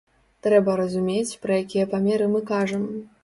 Трэба разумець, пра якія памеры мы кажам.